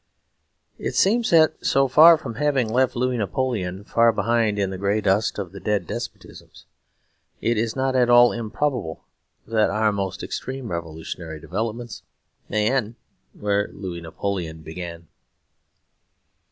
It seems that so far from having left Louis Napoleon far behind in the grey dust of the dead despotisms, it is not at all improbable that our most extreme revolutionary developments may end where Louis Napoleon began.